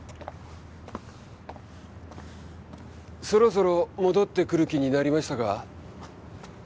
そろそろ戻ってくる気になりましたか？